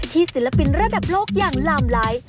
ที่ศิลปินระดับโลกอย่างลามร้าย